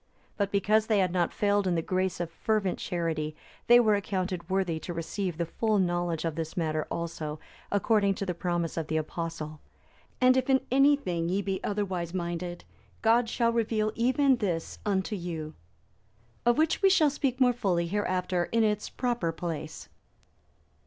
But because they had not failed in the grace of fervent charity, they were accounted worthy to receive the full knowledge of this matter also, according to the promise of the Apostle, "And if in any thing ye be otherwise minded, God shall reveal even this unto you."(310) Of which we shall speak more fully hereafter in its proper place.